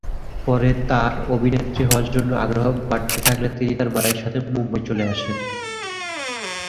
পরে তাঁর অভিনেত্রী হওয়ার জন্যে আগ্রহ বাড়তে থাকলে তিনি তাঁর মায়ের সাথে মুম্বাই চলে আসেন।